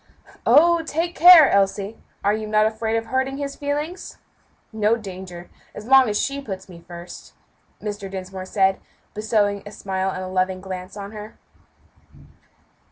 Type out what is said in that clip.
"Oh! take care, Elsie; are you not afraid of hurting his feelings?" "No danger, as long as she puts me first," Mr. Dinsmore said, bestowing a smile and loving glance on her.